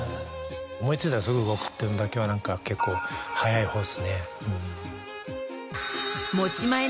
思いついたらすぐ動くっていうのだけは結構早いほうですねうん。